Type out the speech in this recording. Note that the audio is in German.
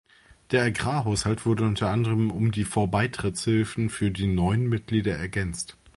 Der Agrarhaushalt wurde unter anderem um die Vorbeitrittshilfen für die neuen Mitglieder ergänzt.